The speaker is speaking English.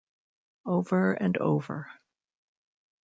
Over and over.